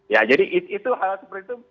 ya jadi itu hal seperti itu